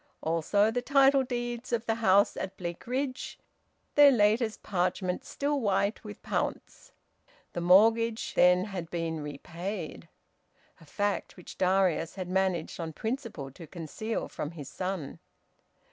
Also the title deeds of the house at Bleakridge, their latest parchment still white with pounce; the mortgage, then, had been repaid, a fact which Darius had managed on principle to conceal from his son.